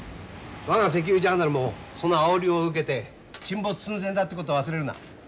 我が石油ジャーナルもそのあおりを受けて沈没寸前だってこと忘れるな。